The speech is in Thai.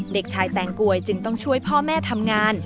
เด็กชายแตงกวยจึงต้องช่วยพ่อแม่ทำงาน